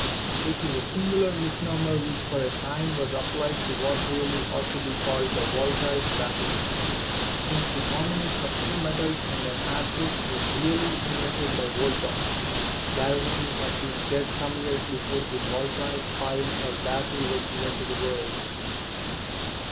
This is a singular misnomer which for a time was applied to what really ought to be called the voltaic battery, since the combination of two metals and an acid (or their equivalents) was really in vented by Volta. Galvani had been dead some years before the voltaic pile or battery was given to the world.